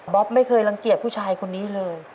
ไม่เคยรังเกียจผู้ชายคนนี้เลย